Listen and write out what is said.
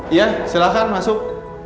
iya silahkan masuk